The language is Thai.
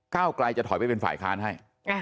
เก้าไกลจะถอยไปเป็นฝ่ายค้านให้